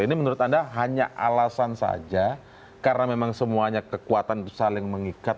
ini menurut anda hanya alasan saja karena memang semuanya kekuatan saling mengikat